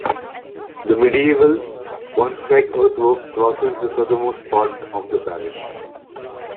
The medieval Wansdyke earthwork crosses the southernmost part of the parish.